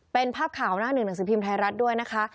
เป็นภาพข่าวหน้าหนึ่งหนังสือพิมพ์ไทยรัฐด้วยนะคะ